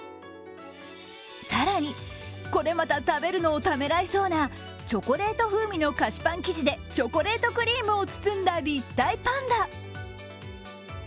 更に、これまた食べるのをためらいそうなチョコレート風味の菓子パン生地でチョコレートクリームを包んだ立体パンダ。